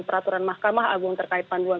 peraturan mahkamah agung terkait panduan